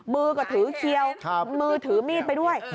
มือก็ถือเคี้ยวมือถือมีดไปด้วย